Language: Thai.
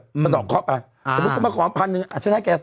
สะดอกเข้าไปสมมุติกลมกรอบ๑๐๐๐อาจจะให้แก๓๐๐